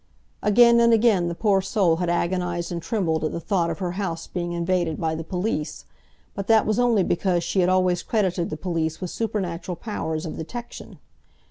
Again and again the poor soul had agonised and trembled at the thought of her house being invaded by the police, but that was only because she had always credited the police with supernatural powers of detection.